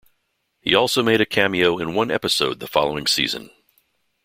He also made a cameo in one episode the following season.